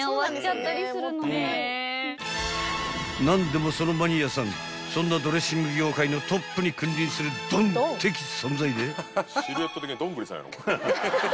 ［何でもそのマニアさんそんなドレッシング業界のトップに君臨するドン的存在で］